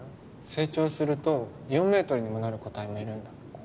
成長すると４メートルにもなる個体もいるんだ。